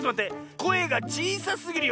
こえがちいさすぎるよ。